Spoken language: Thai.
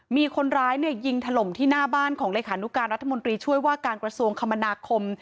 มีคนร้ายเนี่ยยิงถล่มที่หน้าบ้านของเลขานุการรัฐมนตรีช่วยว่าการกระทรวงคมนาคม